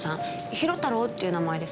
広太郎っていう名前ですか？